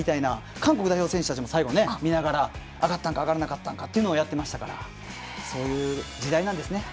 韓国代表選手たちも、最後上がったのか上がらなかったのかっていうのをやっていましたからそういう時代なんですね。